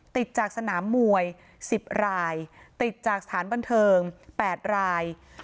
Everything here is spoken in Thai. ติดจากสนามมวย๑๐รายติดจากสถานบันเทิง๘ราย